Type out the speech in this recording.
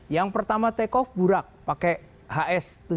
yang pertama take off burak pakai hs tujuh ratus empat puluh delapan